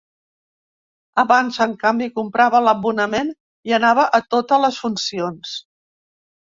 Abans, en canvi, comprava l’abonament i anava a totes les funcions.